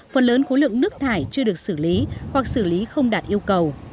phần lớn khối lượng nước thải chưa được xử lý hoặc xử lý không đạt yêu cầu